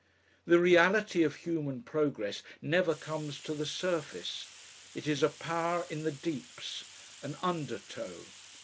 The reality of human progress never comes to the surface, it is a power in the deeps, an undertow.